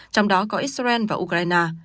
trong đó có israel và ukraine